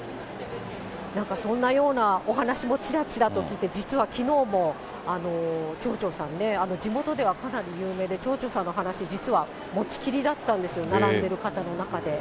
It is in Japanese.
なんかそんなようなお話もちらちら聞いて、実はきのうも町長さんね、地元ではかなり有名で、町長さんの話、実は持ちきりだったんですよ、並んでる方の中で。